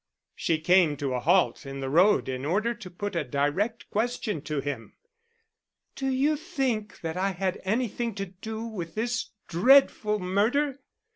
She came to a halt in the road in order to put a direct question to him. "Do you think that I had anything to do with this dreadful murder?